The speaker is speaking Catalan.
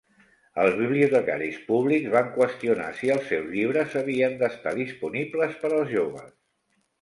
Els bibliotecaris públics van qüestionar si els seus llibres havien d'estar disponibles per als joves.